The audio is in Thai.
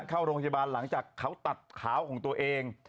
เข้าโรงพยาบาลหลังจากเขาตัดขาวของตัวเอง